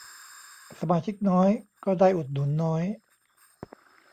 สมาชิกน้อย ก็ได้อุดหนุนน้อย